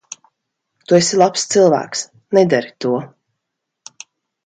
Tu esi labs cilvēks. Nedari to.